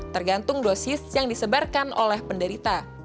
tergantung dosis yang disebarkan oleh penderita